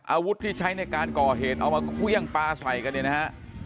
อาวุธที่ใช้ในการก่อเหตุเอามาเครื่องปลาใส่กันเนี่ยนะฮะ